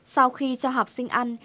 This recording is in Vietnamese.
sau khi cho học sinh ăn